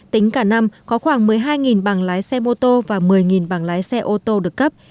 tính cả năm có khoảng một mươi hai bằng lái xe mô tô và một mươi bằng lái xe ô tô được cấp